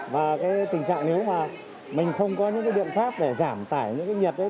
và cái tình trạng nếu mà mình không có những cái biện pháp để giảm tải những cái nhiệt đấy